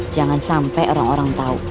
jangan sampe orang orang tau